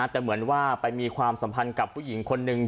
แต่เหมือนว่าไปมีความสัมพันธ์กับผู้หญิงคนนึง